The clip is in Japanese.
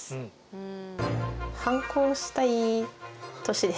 うん。